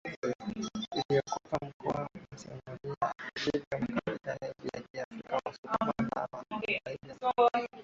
iliyopo mkoa wa SimiyuKama ilivyo makabila mengine ya Kiafrika wasukuma wana mila zao